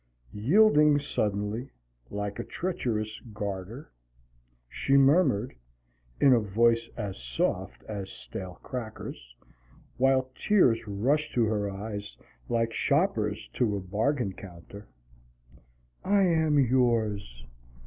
Yielding suddenly, like a treacherous garter, she murmured, in a voice as soft as stale crackers, while tears rushed to her eyes like shoppers to a bargain counter, "I am yours".